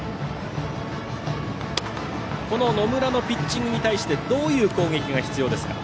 野村のピッチングに対してどういう攻撃が必要ですか？